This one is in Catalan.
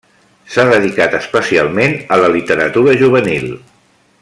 S'ha dedicat especialment a la literatura juvenil.